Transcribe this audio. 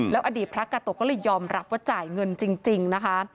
อดีตพระกาโตะก็เลยยอมรับว่าจ่ายเงินจริงนะคะ